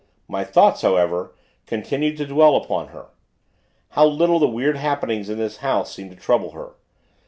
My thoughts, however; continue to dwell upon her. How little the weird happenings in this house seem to trouble her.